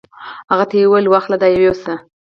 هغه ته یې وویل: واخله دا یوسه.